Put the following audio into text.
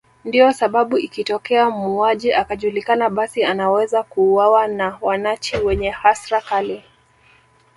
Ndio sababu ikitokea muuaji akajulikana basi anaweza kuuwawa na wanachi wenye hasra kali